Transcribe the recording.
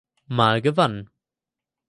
Mal gewann.